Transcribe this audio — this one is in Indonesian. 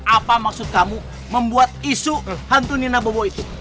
apa maksud kamu membuat isu hantu nina bobo itu